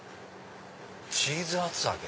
チーズ厚揚げ！